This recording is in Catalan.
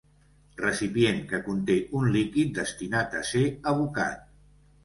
Recipient que conté un líquid destinat a ser abocat.